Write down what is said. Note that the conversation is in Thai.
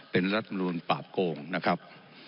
เป็นรัฐบุญปาปโกงนะครับ